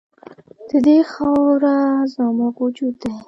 د دې خاوره زموږ وجود دی